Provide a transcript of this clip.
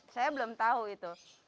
saya belum tahu itu